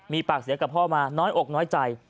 มีปากเสียกับพ่อมาน้อยอกน้อยใจ